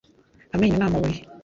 amenyo ni amabuye